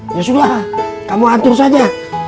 ya sudah kamu atur saja